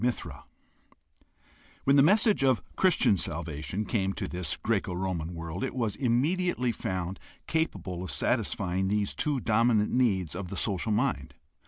6o GUIDE TO STUDY OF CHRISTIAN RELIGION When the message of Christian salvation came to this Greco Roman world, it was immediately found capable of satisfying these two dominant, needs of the social mind.